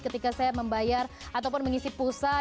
ketika saya membayar ataupun mengisi pulsa